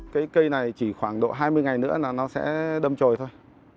cái cây này chỉ khoảng độ hai mươi ngày nữa là nó sẽ đâm trồi thôi